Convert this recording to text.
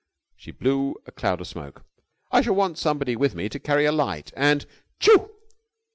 She blew a cloud of smoke. "I shall want somebody with me to carry a light, and...." "Tchoo!"